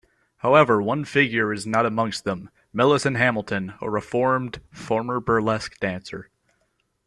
However, one figure is not amongst them- Millicent Hamilton, a reformed former burlesque dancer.